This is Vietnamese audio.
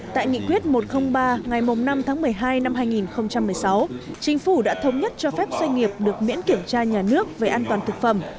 tại nghị quyết một trăm linh ba ngày năm tháng một mươi hai năm hai nghìn một mươi sáu chính phủ đã thống nhất cho phép doanh nghiệp được miễn kiểm tra nhà nước về an toàn thực phẩm